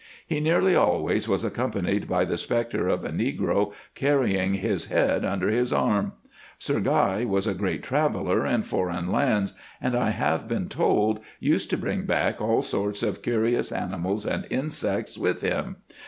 He nearly always was accompanied by the spectre of a negro carrying his head under his arm. Sir Guy was a great traveller in foreign lands, and, I have been told, used to bring back all sorts of curious animals and insects with him.